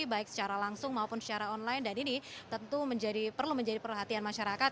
baik secara langsung maupun secara online dan ini tentu perlu menjadi perhatian masyarakat